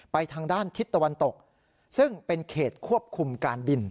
ไปทางด้านทิศตะวันตกซึ่งเป็นเขตควบคุมการบิน